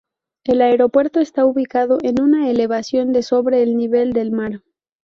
El aeropuerto está ubicado en una elevación de sobre el nivel del mar.